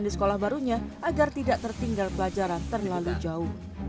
dan di sekolah barunya agar tidak tertinggal pelajaran terlalu jauh